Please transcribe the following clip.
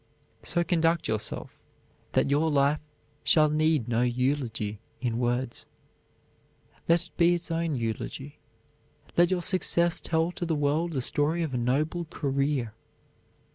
_" So conduct yourself that your life shall need no eulogy in words. Let it be its own eulogy, let your success tell to the world the story of a noble career.